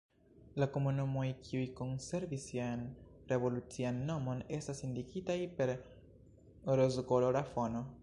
La komunumoj, kiuj konservis sian revolucian nomon estas indikitaj per rozkolora fono.